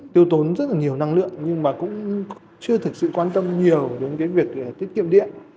tiêu tốn rất nhiều năng lượng nhưng cũng chưa thực sự quan tâm nhiều đến việc tiết kiệm điện